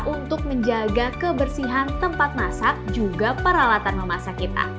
untuk menjaga kebersihan tempat masak juga peralatan memasak kita